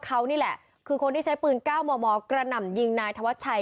เขานี่แหละคือคนที่ใช้ปืน๙มมกระหน่ำยิงนายธวัชชัย